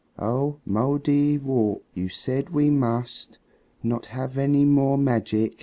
"Oh, Mouldiwarp, you said we must Not have any more magic.